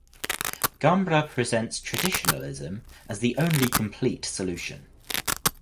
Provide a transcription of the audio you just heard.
Gambra presents Traditionalism as the only complete solution.